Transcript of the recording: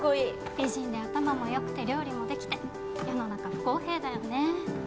美人で頭もよくて料理もできて世の中不公平だよね。